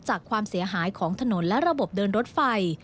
ความเสียหายของถนนและระบบเดินรถไฟ